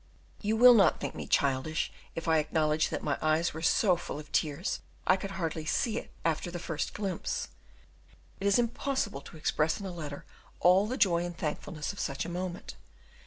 You will not think me childish, if I acknowledge that my eyes were so full of tears I could hardly see it after the first glimpse; it is impossible to express in a letter all the joy and thankfulness of such a moment.